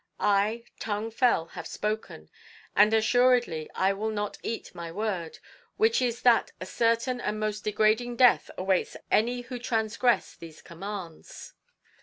I, Tung Fel, have spoken, and assuredly I shall not eat my word, which is that a certain and most degrading death awaits any who transgress these commands."